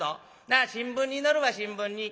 なあ新聞に載るわ新聞に。